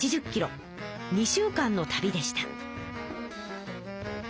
２週間の旅でした。